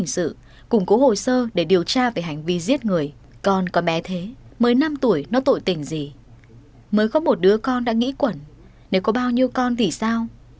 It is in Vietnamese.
sao như con thì sao